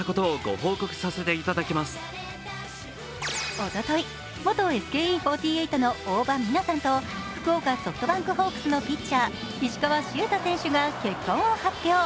おととい、元ＳＫＥ４８の大場美奈さんと福岡ソフトバンクホークスのピッチャー・石川柊太投手が結婚を発表。